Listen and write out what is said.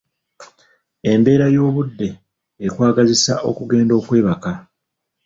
Embeera y'obudde ekwagazisa okugenda okwebaka.